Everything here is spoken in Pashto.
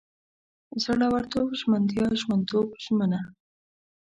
زړورتوب، ژمنتیا، ژمنتوب، ژمنه